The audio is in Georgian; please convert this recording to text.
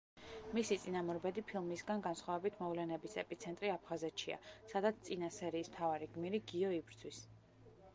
მისი წინამორბედი ფილმისგან განსხვავებით მოვლენების ეპიცენტრი აფხაზეთშია, სადაც წინა სერიის მთავარი გმირი, გიო იბრძვის.